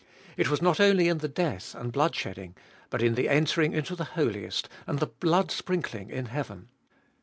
It was not only in the death and blood shedding, but in the entering into the Holiest and the blood sprinkling in heaven.